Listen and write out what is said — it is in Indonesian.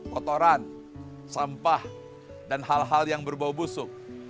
kotoran sampah dan hal hal yang berbau busuk